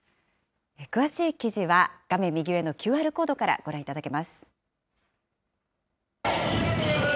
詳しい記事は画面右上のＱＲコードからご覧いただけます。